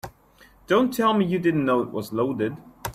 Don't tell me you didn't know it was loaded.